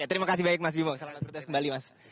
terima kasih banyak mas bimo selamat bertugas kembali mas